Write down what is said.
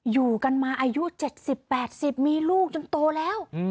อยู่กันมาอายุ๗๐๘๐มีลูกจนโตแล้ว